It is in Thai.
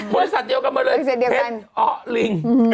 บริษัทเดียวกันมาเลยเพชรอ้อลิง